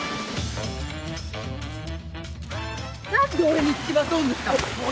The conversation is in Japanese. なんで俺に付きまとうんですか！？